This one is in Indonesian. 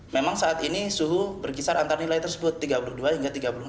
memang saat ini suhu berkisar antara nilai tersebut tiga puluh dua hingga tiga puluh lima